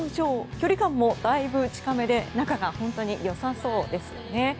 距離感もだいぶ近めで仲が本当に良さそうですね。